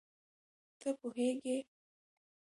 ته پوهېږې